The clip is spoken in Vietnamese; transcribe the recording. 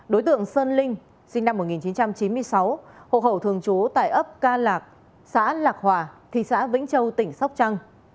đối tượng sơn linh sinh năm một nghìn chín trăm chín mươi sáu hộ khẩu thường trú tại ấp ca lạc xã lạc hòa thị xã vĩnh châu tỉnh sóc trăng